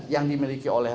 yang dimiliki oleh